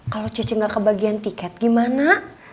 kalau cici nggak kebagian tiket gimana